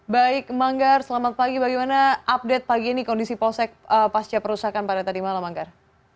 baik manggar selamat pagi bagaimana update pagi ini kondisi polsek pasca perusahaan pada tadi malam manggar